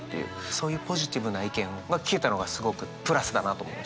そういうポジティブな意見が聞けたのがすごくプラスだなと思いました。